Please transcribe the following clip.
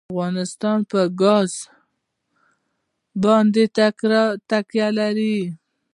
افغانستان په ګاز باندې تکیه لري.